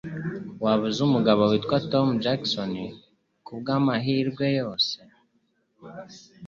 Waba uzi umugabo witwa Tom Jackson kubwamahirwe yose?